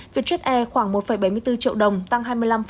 vietjet air khoảng một bảy mươi bốn triệu đồng tăng hai mươi năm